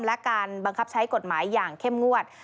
และการบังคับใช้กฎหมายอย่างเข้มงวด